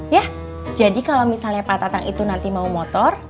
ya jadi kalau misalnya pak tatang itu nanti mau motor